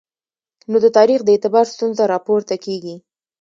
نو د تاریخ د اعتبار ستونزه راپورته کېږي.